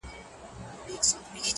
که آرام غواړې، د ژوند احترام وکړه،